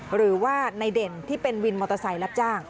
หรือว่าในเด่นที่เป็นวินมอเตอร์ไซค์รับจ้าง